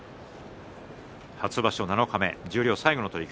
初場所七日目十両最後の取組。